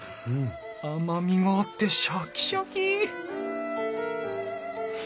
甘みがあってシャキシャキ！